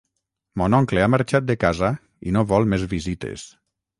Mon oncle ha marxat de casa i no vol més visites